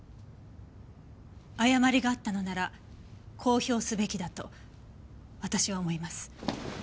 誤りがあったのなら公表すべきだと私は思います。